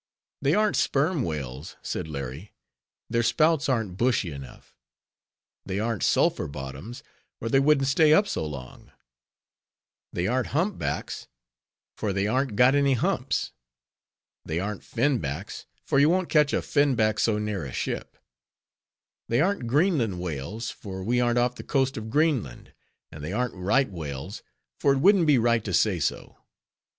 "They ar'n't sperm whales," said Larry, "their spouts ar'n't bushy enough; they ar'n't Sulphur bottoms, or they wouldn't stay up so long; they ar'n't Hump backs, for they ar'n't got any humps; they ar'n't Fin backs, for you won't catch a Finback so near a ship; they ar'n't Greenland whales, for we ar'n't off the coast of Greenland; and they ar'n't right whales, for it wouldn't be right to say so.